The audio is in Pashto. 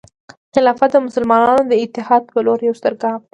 خلافت د مسلمانانو د اتحاد په لور یو ستر ګام دی.